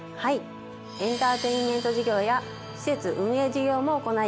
エンターテインメント事業や施設運営事業も行い